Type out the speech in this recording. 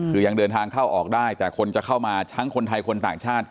คือยังเดินทางเข้าออกได้แต่คนจะเข้ามาทั้งคนไทยคนต่างชาติ